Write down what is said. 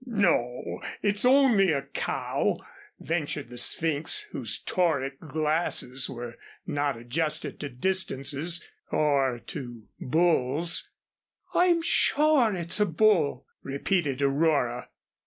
"No, it's only a cow," ventured the Sphynx, whose tauric glasses were not adjusted to distances or to bulls. "I'm sure it's a bull," repeated Aurora.